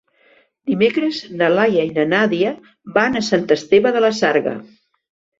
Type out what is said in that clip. Dimecres na Laia i na Nàdia van a Sant Esteve de la Sarga.